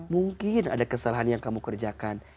mungkin ada kesalahan yang kamu kerjakan